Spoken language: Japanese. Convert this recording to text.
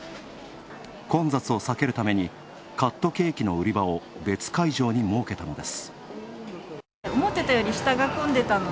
混雑を避けるためにカットケーキの売り場を別会場に設けたのです。